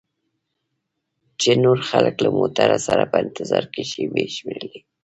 چې نور خلک له موټر سره په انتظار کې شیبې شمیرلې.